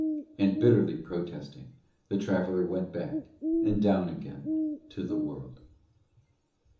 And, bitterly protesting, the traveller went back and down again to the World.